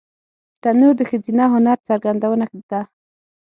تنور د ښځینه هنر څرګندونه ده